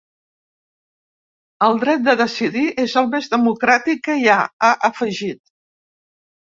El dret de decidir és el més democràtic que hi ha, ha afegit.